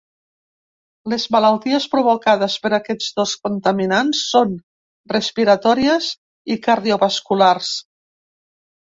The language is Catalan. Les malalties provocades per aquests dos contaminants són respiratòries i cardiovasculars.